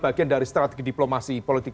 bagian dari strategi diplomasi politik